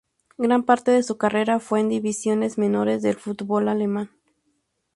Gran parte de su carrera fue en divisiones menores del fútbol alemán.